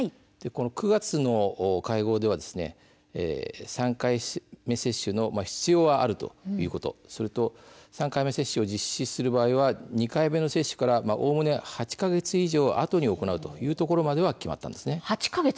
９月の会合では３回目接種の必要はあるということそれと３回目接種を実施する場合は２回目の接種からおおむね８か月以上あとに行うというところまでは決まりました。